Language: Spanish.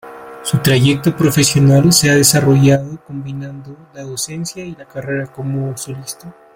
Su trayectoria profesional se ha desarrollado combinando la docencia y la carrera como solista.